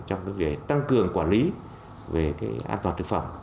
trong cái việc tăng cường quản lý về cái an toàn thực phẩm